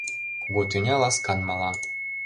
Кугу тӱня ласкан мала.